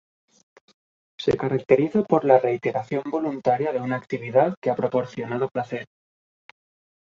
Se caracteriza por la reiteración voluntaria de una actividad que ha proporcionado placer.